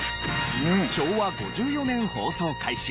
昭和５４年放送開始。